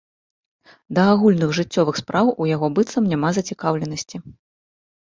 Да агульных жыццёвых спраў у яго быццам няма зацікаўленасці.